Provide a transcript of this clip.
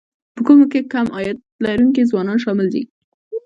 په کومو کې کم عاید لرونکي ځوانان شامل دي